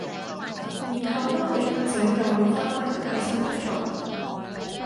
然後當你瞓醒又會返返入嚟身體度